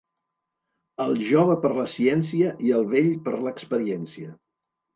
El jove per la ciència i el vell per l'experiència.